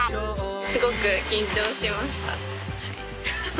すごく緊張しましたはい。